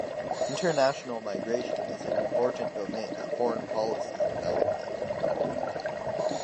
International migration is an important domain at foreign policy development.